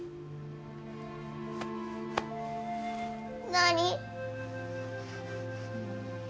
何？